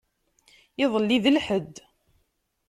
Iḍelli d lḥedd.